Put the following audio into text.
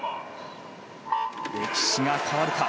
歴史が変わるか。